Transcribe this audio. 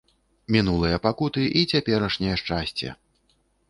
Мінулыя пакуты і цяперашняе шчасце!